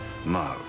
まあ